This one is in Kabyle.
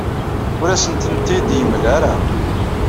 Ur asent-tent-id-yemla ara.